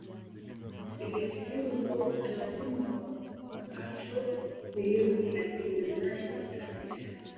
Ilikadiriwa kuwa watu wazima wapato milioni thalathini na nane nukta sita